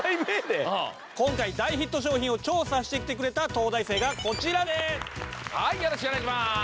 今回大ヒット商品を調査してきてくれた東大生がこちらです。